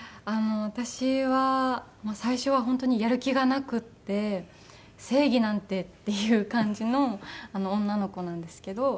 私は最初は本当にやる気がなくて正義なんてっていう感じの女の子なんですけど。